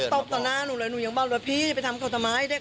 ตบต่อหน้าหนูก็บอกพี่จะไปทำครอบถาวที่เด็ก